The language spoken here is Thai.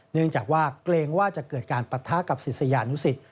เนื่องจากว่าเกรงว่าจะเกิดการปะทะกับศิษยานุสิต